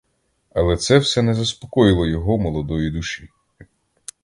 Але це все не заспокоїло його молодої душі.